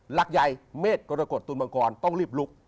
หลักใหญ่เมฆกรกฎตุลมังกรต้องรีบลุก